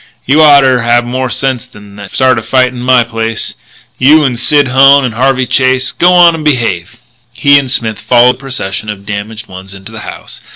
"You oughter have more sense than to start a fight in my place you and Sid Hone and Harvey Chase. G'wan in and behave." He and Smith followed the procession of damaged ones into the house.